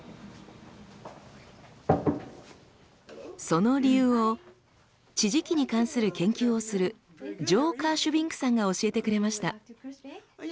その理由を地磁気に関する研究をするジョー・カーシュビンクさんが教えてくれました。